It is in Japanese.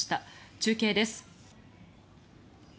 中継です。